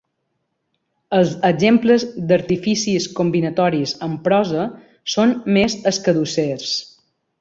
Els exemples d'artificis combinatoris en prosa són més escadussers.